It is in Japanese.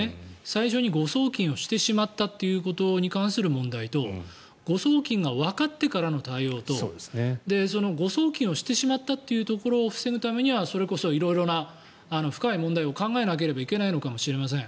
最初に誤送金をしてしまったということに関する問題と誤送金がわかってからの対応と誤送金をしてしまったというところを防ぐためにはそれこそ色々な深い問題を考えなければいけないのかもしれません。